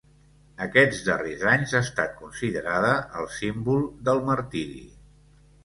Aquests darrers anys ha estat considerada el símbol del martiri.